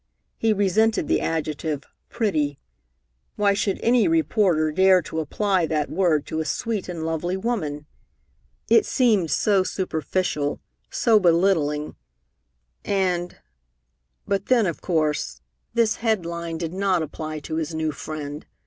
He resented the adjective "pretty." Why should any reporter dare to apply that word to a sweet and lovely woman? It seemed so superficial, so belittling, and but then, of course, this headline did not apply to his new friend.